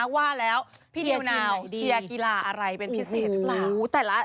ว่าแล้วพี่นิวนาวเชียร์กีฬาอะไรเป็นพิเศษหรือเปล่า